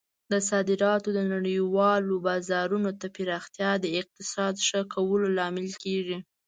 د صادراتو د نړیوالو بازارونو ته پراختیا د اقتصاد ښه کولو لامل کیږي.